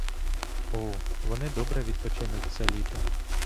О, вони добре відпочинуть це літо!